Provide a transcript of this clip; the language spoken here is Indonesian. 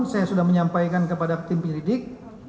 saya sudah menyampaikan kepada tim penyelidik